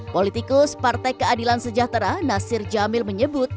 politikus partai keadilan sejahtera nasir jamil menyebut